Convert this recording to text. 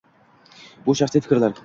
Bu shaxsiy fikrlar